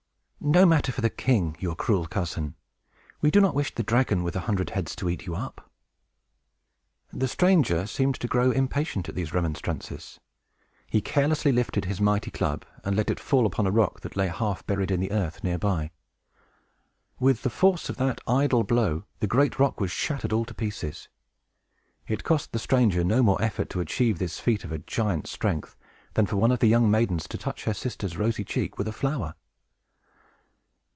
No matter for the king, your cruel cousin! We do not wish the dragon with the hundred heads to eat you up!" [Illustration: HERCVLES & THE NYMPHS] The stranger seemed to grow impatient at these remonstrances. He carelessly lifted his mighty club, and let it fall upon a rock that lay half buried in the earth, near by. With the force of that idle blow, the great rock was shattered all to pieces. It cost the stranger no more effort to achieve this feat of a giant's strength than for one of the young maidens to touch her sister's rosy cheek with a flower.